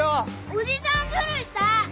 おじさんズルした。